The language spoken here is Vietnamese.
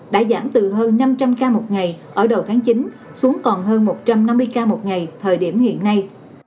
đã giảm từ hơn năm trăm linh ca một ngày ở đầu tháng chín xuống còn hơn một trăm năm mươi ca một ngày thời điểm hiện nay